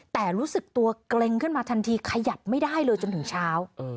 แต่รู้สึกตัวเกร็งขึ้นมาทันทีขยับไม่ได้เลยจนถึงเช้า